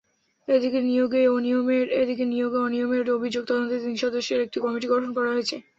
এদিকে নিয়োগে অনিয়মের অভিযোগ তদন্তে তিন সদস্যের একটি কমিটি গঠন করা হয়েছে।